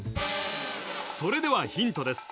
それではヒントです